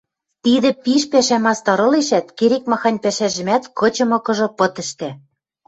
Тидӹ пиш пӓшӓ мастар ылешӓт, керек-махань пӓшӓжӹмӓт, кычымыкыжы, пыт ӹштӓ.